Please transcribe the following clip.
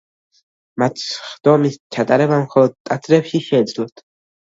მათ სხდომის ჩატარება მხოლოდ ტაძრებში შეეძლოთ.